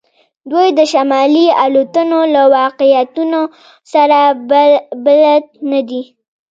دوی د شمالي الوتنو له واقعیتونو سره بلد نه دي